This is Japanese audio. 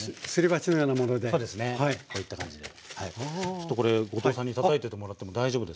ちょっとこれ後藤さんにたたいててもらっても大丈夫ですか？